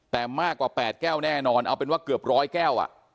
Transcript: แต่มากกว่า๘แก้วแน่นอนเอาเป็นว่าเกือบร้อยแก้ว